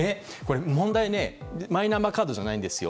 問題はマイナンバーカードではないんです。